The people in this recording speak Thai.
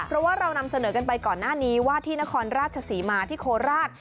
เพราะว่าเรานำเสนอกันไปก่อนหน้านี้ว่าที่นครราชศรีมาที่โคราช